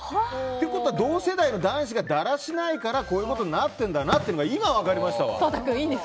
ということは同世代の男子がだらしないからこういうことになっているのが今、分かりました。